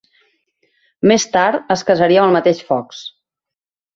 Més tard es casaria amb el mateix Fox.